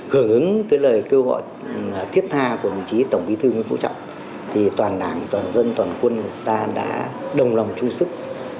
hưởng ứng cái lời kêu gọi thiết tha của đồng chí tổng bí thư nguyễn phú trọng thì toàn đảng toàn dân toàn quân của ta đã đồng lòng chung sức